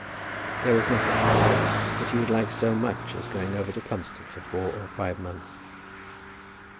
There was nothing, he said, which he would like so much as going over to Plumstead for four or five months.